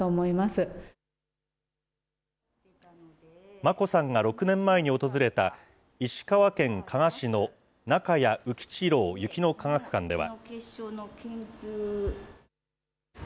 眞子さんが６年前に訪れた、石川県加賀市の中谷宇吉郎雪の科学館では。